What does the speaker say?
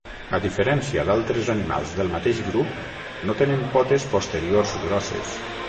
A diferència d'altres animals del mateix grup, no tenen potes posteriors grosses.